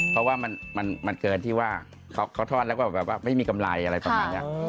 เพราะว่ามันเกินที่ว่าเขาทอดแล้วก็แบบว่าไม่มีกำไรอะไรประมาณนี้